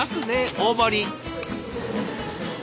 大盛り。